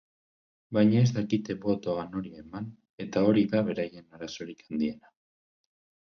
Baina ez dakite botoa nori eman, eta hori da beraien arazorik handiena.